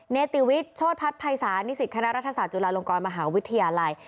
เนตีวิชโชทพัฒน์ภัยศาสตร์นิสิทธิ์คณะรัฐศาสตร์จุฬาลงกรมหาวิทยาลัย